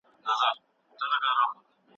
پر منبر به له بلاله، آذان وي، او زه به نه یم